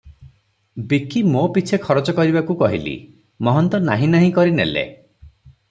ବିକି ମୋ ପିଛେ ଖରଚ କରିବାକୁ କହିଲି ।ମହନ୍ତ ନାହିଁ ନାହିଁ କରି ନେଲେ ।